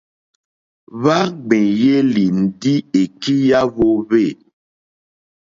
Hwá ŋwèyélì ndí èkí yá hwōhwê.